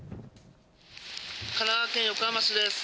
神奈川県横浜市です。